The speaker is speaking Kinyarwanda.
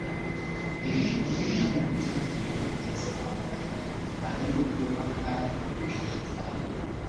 Ibi bikorwa kandi ngo byatumye perezida wa Mali Ibrahim Boubacar Keita